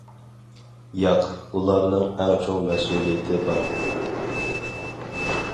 ياق، ئۇلارنىڭ ئەڭ چوڭ مەسئۇلىيىتى بار.